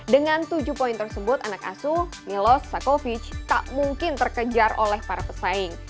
dengan tujuh poin tersebut anak asuh milos sakovic tak mungkin terkejar oleh para pesaing